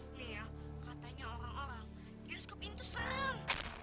nih ya katanya orang orang bioskop ini tuh seram